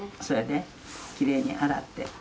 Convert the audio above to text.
そうやできれいに洗って。